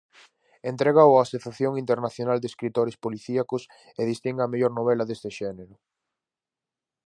Entrégao a Asociación Internacional de Escritores Policíacos e distingue á mellor novela neste xénero.